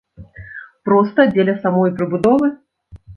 Проста дзеля самой прыбудовы?